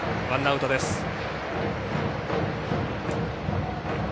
ワンアウトです。